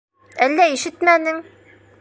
Әллә ишетмәнең?